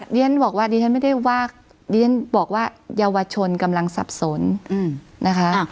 เรียนหนึ่งบอกว่าเยาวชนกำลังสับสนนะคะ